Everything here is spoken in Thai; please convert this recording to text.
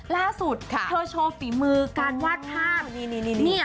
ล่าสุดค่ะเธอโชว์ฝีมือการวาดภาพนี่นี่นี่นี่เนี่ย